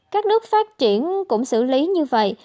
các nước phát triển cũng xử lý như vậy